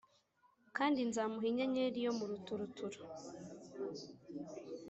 Kandi nzamuha Inyenyeri yo mu ruturuturu.